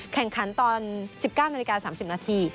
แข่งขันตอน๑๙นาฬิกา๓๐นาที